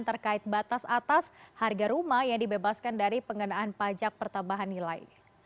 terkait batas atas harga rumah yang dibebaskan dari pengenaan pajak pertambahan nilai